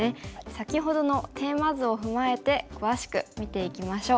先ほどのテーマ図を踏まえて詳しく見ていきましょう。